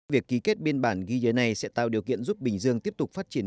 việc ký kết biên bản ghi nhớ này sẽ tạo điều kiện giúp bình dương tiếp tục phát triển